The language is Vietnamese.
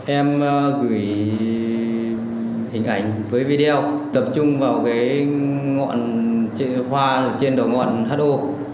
em gửi hình ảnh với video tập trung vào cái ngọn hoa trên đầu ngọn ho